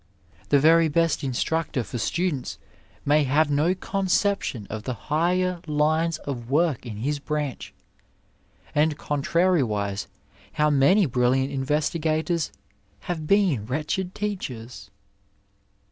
The very best instrootor for students may have no conception of the higher lines of work in his branch, and contrariwise, how many brilliant investigators have been wretched teachers